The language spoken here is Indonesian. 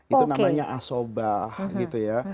itu namanya asobah gitu ya